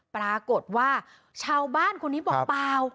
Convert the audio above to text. ปรากฏว่าชาวบ้านคนนี้บอกเปล่า